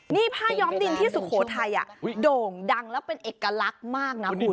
นี่ผ้าย้อมดินที่สุโขทัยโด่งดังแล้วเป็นเอกลักษณ์มากนะคุณ